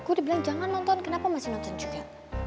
aku dibilang jangan nonton kenapa masih nonton juga